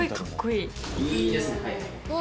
いいですね。